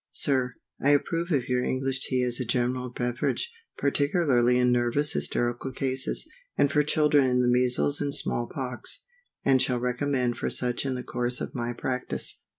SIR, I approve of your English Tea as a general beverage, particularly in nervous hysterical cases, and for children in the measles and small pox, and shall recommend for such in the course of my practice.